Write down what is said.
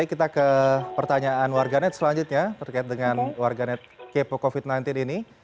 kita ke pertanyaan warganet selanjutnya terkait dengan warganet kepo covid sembilan belas ini